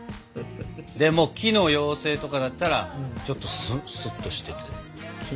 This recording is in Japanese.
でも木の妖精とかだったらちょっとスッとしてて。